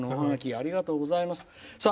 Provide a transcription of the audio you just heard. ありがとうございます。